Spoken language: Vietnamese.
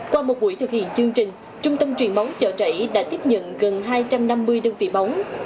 qua một buổi thực hiện chương trình trung tâm truyền máu chợ rẫy đã tiếp nhận gần hai trăm năm mươi đơn vị máu